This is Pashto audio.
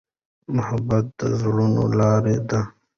محبت د زړونو لاره ده.